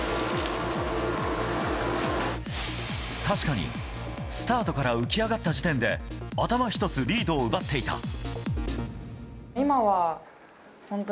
確かにスタートから浮き上がった時点で頭１つリードを奪っていた。